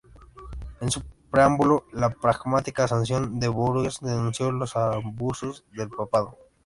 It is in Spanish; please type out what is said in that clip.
En su preámbulo, la Pragmática Sanción de Bourges denuncia los abusos del papado.